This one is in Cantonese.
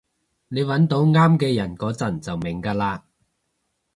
你搵到啱嘅人嗰陣就明㗎喇